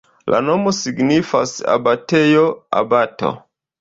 La nomo signifas: abatejo-abato.